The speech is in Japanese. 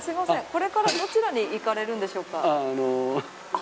これからどちらに行かれるんでしょうか。